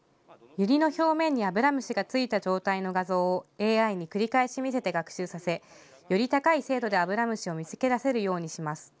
ユリの表面にアブラムシが付いた状態の画像をＡＩに繰り返し見せて学習させより高い精度でアブラムシを見つけ出せるようにします。